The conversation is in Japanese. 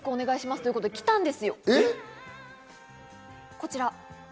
こちら。